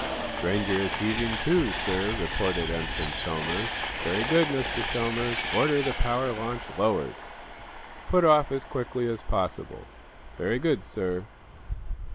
"Stranger is heaving to, sir," reported Ensign Somers. "Very good, Mr. Somers. Order the power launch lowered. Put off as quickly as possible." "Very good, sir."